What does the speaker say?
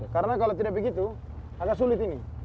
karena kalau tidak begitu agak sulit ini